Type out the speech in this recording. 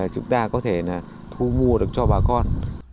chúng ta có thể thu mua được cho bà con